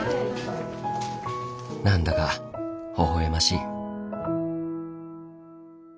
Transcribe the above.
何だかほほ笑ましい。